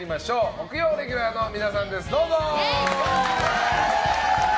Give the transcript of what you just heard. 木曜レギュラーの皆さんです！